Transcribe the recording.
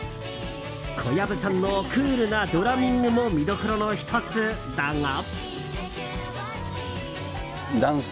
小籔さんのクールなドラミングも見どころの１つだが。